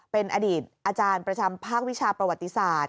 เป็นอดีตอาจารย์ประจำภาควิชาประวัติศาสตร์